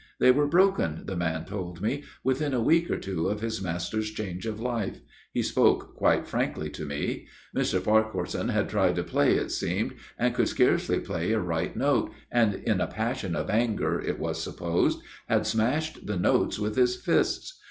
They were broken, the man told me, within a week or two of his master's change of life he spoke quite frankly to me Mr. Farquharson had tried to play, it seemed, and could scarcely play a right note, and in a passion of anger, it was supposed, had smashed the notes with his fists.